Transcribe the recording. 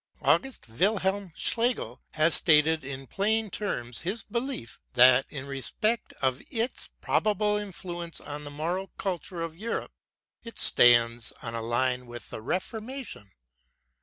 Au gust Wilhelm Schlegel has stated in plain terms his belief, that, in respect of its probable influence on the moral cul ture of Europe, it stands on a line with the Reformation.